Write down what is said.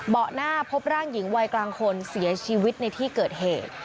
หน้าพบร่างหญิงวัยกลางคนเสียชีวิตในที่เกิดเหตุ